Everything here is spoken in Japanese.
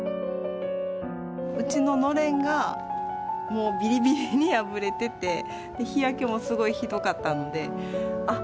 うちののれんがもうビリビリに破れてて日焼けもすごいひどかったのであっ